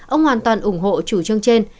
ông hoàn toàn ủng hộ chủ chương trên